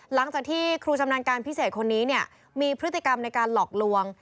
หลังจากที่ครูชำนาญการพิเศษคนนี้เนี่ยมีพฤติกรรมในการหลอกลวง